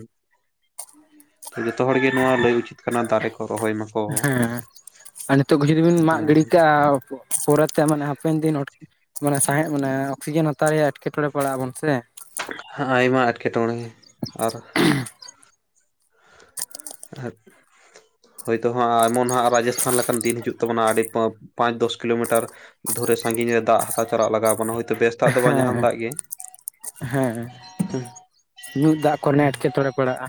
[SPEAKER 2] ᱡᱚᱛᱚ ᱦᱚᱲ ᱜᱮ ᱱᱚᱣᱟ ᱞᱟᱹᱭ ᱩᱪᱤᱛ ᱠᱟᱱᱟ ᱫᱟᱨᱮ ᱠᱚ ᱨᱚᱦᱚᱭ ᱢᱟᱠᱚ
[SPEAKER 1] ᱦᱮᱸ ᱟᱨ ᱱᱤᱛᱚᱜ ᱠᱚ ᱡᱩᱫᱤ ᱵᱤᱱ ᱢᱟᱜ
[SPEAKER 2] ᱦᱮᱸ
[SPEAKER 1] ᱜᱤᱰᱤ ᱠᱟᱜ-ᱟ ᱯᱚᱨᱮᱛᱮ ᱢᱟᱱᱮ ᱦᱟᱯᱮᱱ ᱫᱤᱱ ᱢᱟᱱᱮ ᱥᱟᱸᱦᱮᱫ ᱢᱟᱱᱮ ᱚᱠᱥᱤᱡᱮᱱ ᱦᱟᱛᱟᱣ ᱨᱮᱭᱟᱜ ᱮᱴᱠᱮᱴᱬᱮ ᱯᱟᱲᱟᱜ ᱟᱵᱚᱱ ᱥᱮ᱾
[SPEAKER 2] ᱟᱭᱢᱟ ᱮᱸᱴᱠᱮᱴᱚᱬᱮ ᱟᱨ ᱦᱮᱸ ᱦᱳᱭᱛᱳ ᱦᱟᱸᱜ ᱟᱭ ᱮᱢᱚᱱ ᱦᱟᱸᱜ ᱨᱟᱡᱚᱥᱷᱟᱱ ᱞᱮᱠᱟᱱ ᱫᱤᱱ ᱦᱤᱡᱩᱜ ᱛᱟᱵᱚᱱᱟ ᱟᱹᱰᱤ ᱯᱟᱸᱪ ᱫᱚᱥ ᱠᱤᱞᱳᱢᱤᱴᱟᱨ ᱫᱷᱩᱨᱮ ᱥᱟᱺᱜᱤᱧ ᱨᱮ ᱫᱟᱜ ᱦᱟᱛᱟ ᱪᱟᱞᱟᱜ ᱞᱟᱜᱟᱣ ᱟᱵᱚᱱᱟ ᱦᱚᱭ
[SPEAKER 1] ᱦᱮᱸ ᱦᱮᱸ ᱧᱩ ᱫᱟᱜ ᱠᱚᱨᱮᱱᱟᱜ ᱮᱴᱠᱮᱴᱚᱬᱮ ᱯᱟᱲᱟᱜ-ᱟ᱾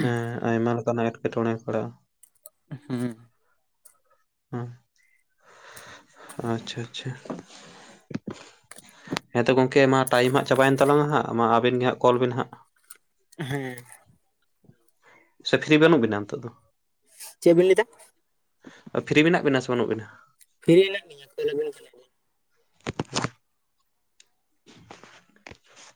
[SPEAKER 2] ᱦᱮᱸ ᱟᱭᱢᱟ ᱞᱮᱠᱟᱱᱟᱜ ᱮᱴᱠᱮᱴᱚᱬᱮ ᱯᱟᱜ-ᱟ᱾
[SPEAKER 1] ᱦᱩ
[SPEAKER 2] ᱦᱩ ᱟᱪᱪᱷᱟ ᱟᱪᱪᱷᱟ ᱦᱮᱸᱛᱚ ᱜᱚᱢᱠᱮ ᱢᱟ ᱴᱟᱭᱤᱢ ᱦᱟᱸᱜ ᱪᱟᱵᱟᱭᱮᱱ ᱛᱟᱞᱟᱝ ᱦᱟᱜ ᱢᱟ ᱟᱹᱵᱤᱱ ᱜᱮ ᱦᱟᱸᱜ ᱠᱚᱞ ᱵᱤᱱ ᱦᱟᱸᱜ᱾
[SPEAKER 1] ᱦᱮᱸ
[SPEAKER 2] ᱥᱮ ᱯᱷᱨᱤ ᱵᱟᱹᱱᱩᱜ ᱵᱤᱱᱟ ᱱᱤᱛᱚᱜ ᱫᱚ?
[SPEAKER 1] ᱪᱮᱫ ᱵᱤᱱ ᱞᱟᱹᱭ ᱫᱟ?
[SPEAKER 2] ᱯᱷᱤᱨᱤ ᱢᱮᱱᱟᱜ ᱵᱤᱱᱟ ᱥᱮ ᱵᱟᱹᱱᱩᱜ ᱵᱤᱱᱟ
[SPEAKER 1] ᱯᱷᱤᱨᱤ ᱦᱮᱱᱟᱜ ᱞᱤᱧᱟ [unintelligible]
[SPEAKER 2] [unintelligible]